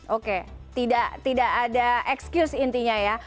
oke tidak ada excuse intinya ya